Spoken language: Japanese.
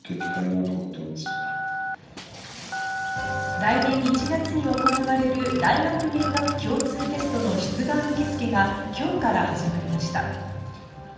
来年１月に行われる大学入学共通テストの出願受付が今日から始まりました。